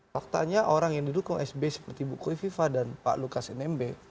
faktanya orang yang didukung sby seperti buko viva dan pak lukas nmb